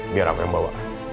biar aku yang bawa